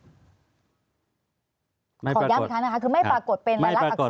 ขอย้ำอีกครั้งนะคะคือไม่ปรากฏเป็นรายลักษร